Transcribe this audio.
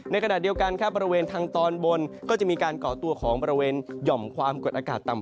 ขณะเดียวกันครับบริเวณทางตอนบนก็จะมีการก่อตัวของบริเวณหย่อมความกดอากาศต่ำ